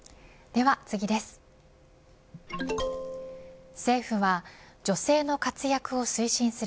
では次です。